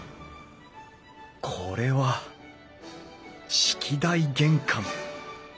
これは式台玄関。